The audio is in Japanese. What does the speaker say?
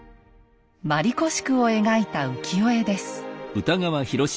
鞠子宿を描いた浮世絵です。